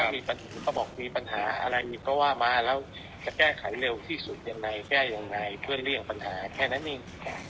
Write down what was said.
มีปัญหาอะไรอีกก็ว่ามาแล้วจะแก้ไขเร็วที่สุดแก้อย่างไรเพื่อเลี่ยงปัญหาแค่นั้นเอง